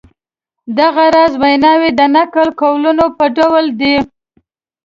دغه راز ویناوی د نقل قولونو په ډول دي.